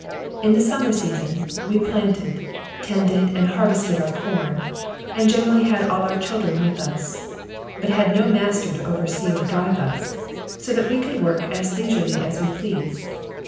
In the summer season, we planted, tended and harvested our corn, and generally had all our children with us; but had no master to oversee or drive us, so that we could work as leisurely as we pleased.